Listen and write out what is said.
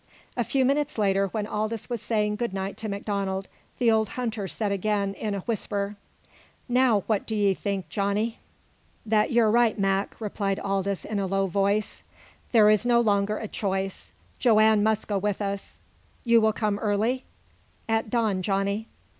A few minutes later, when Aldous was saying good night to MacDonald, the old hunter said again, in a whisper: "Now what do 'ee think, Johnny?" "That you're right, Mac," replied Aldous in a low voice. "There is no longer a choice. Joanne must go with us. You will come early?" "At dawn, Johnny."